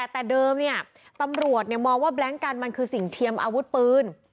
แต่เดิมตำรวจมองว่าแบล็งกันมันคือสิ่งเทียมอาวุธปืน